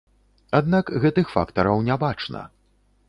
Аднак гэтых фактараў не бачна.